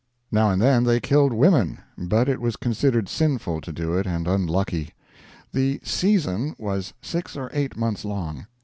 Now and then they killed women, but it was considered sinful to do it, and unlucky. The "season" was six or eight months long.